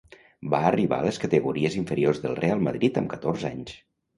Va arribar a les categories inferiors del Reial Madrid amb catorze anys.